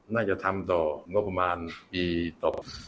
น่าจะทำต่องบประมาณปีต่อ